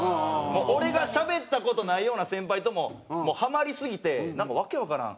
俺がしゃべった事ないような先輩とももうハマりすぎてなんかわけわからん。